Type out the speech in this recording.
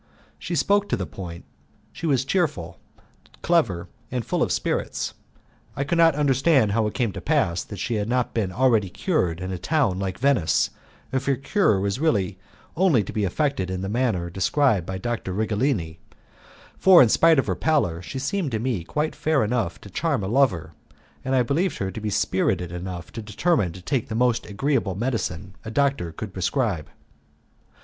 She spoke to the point, she was cheerful, clever, and full of spirits. I could not understand how it came to pass that she had not been already cured in a town like Venice, if her cure was really only to be effected in the manner described by Dr. Righelini; for in spite of her pallor she seemed to me quite fair enough to charm a lover, and I believed her to be spirited enough to determine to take the most agreeable medicine a doctor can prescribe.